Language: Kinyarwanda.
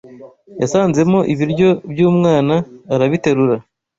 yasanzemo ibiryo by’umwana arabiterura